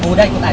udah ikut aja